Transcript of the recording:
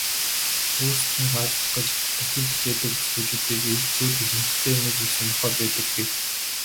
өөрсдөд нь таалагдах гэж хэтэрхий хичээдэг бүсгүйчүүдийг эрчүүд ихэнхдээ нэг их сонирхоод байдаггүй.